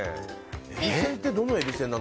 えびせんってどのえびせんかな？